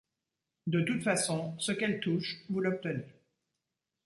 De toute façon ce qu'elle touche, vous l'obtenez.